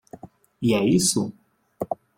E é isso?